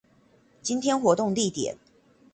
今天活動地點